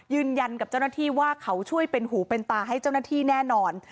ยืนยันกับเจ้าหน้าที่ว่าเขาช่วยเป็นหูเป็นตาให้เจ้าหน้าที่แน่นอน